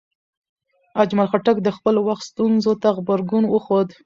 اجمل خټک د خپل وخت ستونزو ته غبرګون وښود.